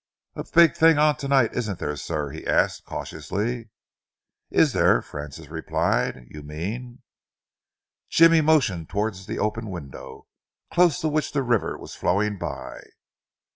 "A big thing on to night, isn't there, sir?" he asked cautiously. "Is there?" Francis replied. "You mean ?" Jimmy motioned towards the open window, close to which the river was flowing by.